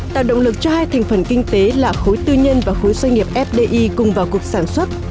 tạo động lực cho hai thành phần kinh tế là khối tư nhân và khối doanh nghiệp fdi cùng vào cuộc sản xuất